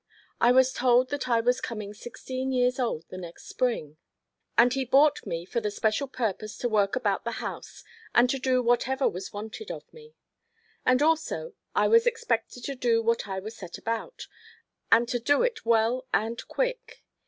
I was told that I was coming sixteen years old the next spring, and he had bought me for the special purpose to work about the house and to do whatever was wanted of me; and, also, I was expected to do what I was set about, and to do it well and quick.